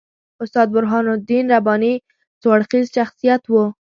استاد برهان الدین رباني څو اړخیز شخصیت وو.